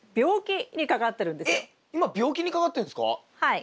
はい。